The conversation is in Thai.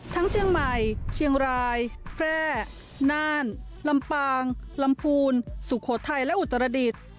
เชียงใหม่เชียงรายแพร่น่านลำปางลำพูนสุโขทัยและอุตรดิษฐ์